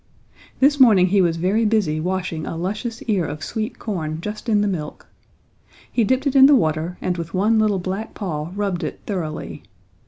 This morning he was very busy washing a luscious ear of sweet corn just in the milk. He dipped it in the water and with one little black paw rubbed it thoroughly.